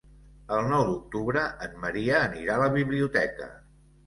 El nou d'octubre en Maria anirà a la biblioteca.